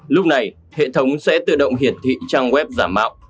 lúc này hệ thống sẽ tự động hiển thị trang web giả mạo